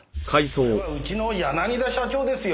これはうちの柳田社長ですよ。